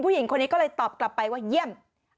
ผู้หญิงคนนี้ก็เลยตอบกลับไปว่าเยี่ยม